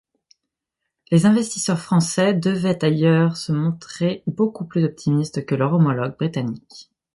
Les investisseurs français devaient d'ailleurs se montrer beaucoup plus optimistes que leurs homologues britanniques.